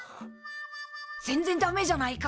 全然ダメじゃないか。